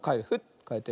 かえて。